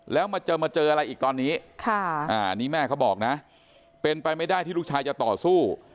แล้วมาเจอมาเจออะไรอีกตอนนี้อันนี้แม่เขาบอกนะเป็นไปไม่ได้ที่ลูกชายจะต่อสู้